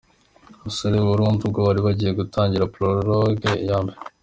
Abasore b’i Burundi ubwo bari bagiye gutangira Prologue ya mbere.